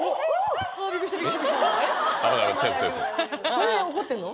これ怒ってんの？